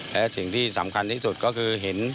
และสิ่งที่สำคัญที่สุดก็คือเห็น